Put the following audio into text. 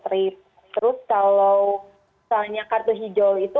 terus kalau misalnya kartu hijau itu